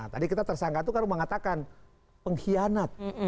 tadi kita tersangka itu kan mengatakan pengkhianat